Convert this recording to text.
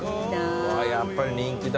うわやっぱり人気だ。